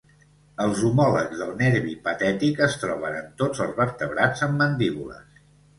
Els homòlegs del nervi patètic es troben en tots els vertebrats amb mandíbules.